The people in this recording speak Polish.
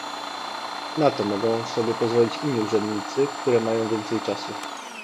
Na to mogą sobie pozwolić inni urzędnicy, które mają więcej czasu